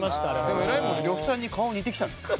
でもえらいもんで呂布さんに顔似てきたね。